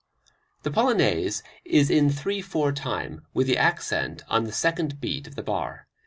The Polonaise is in three four time, with the accent on the second beat of the bar.